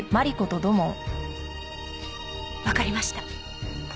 わかりました。